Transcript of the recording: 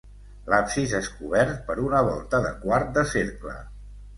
L'absis és cobert per una volta de quart de cercle.